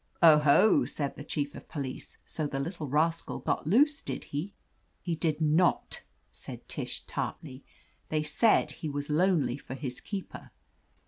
"Oho!" said the Chief of Police, "so the little rascal got loose, did he ?" "He did not," said Tish tartly. "They said he was lonely for his keeper.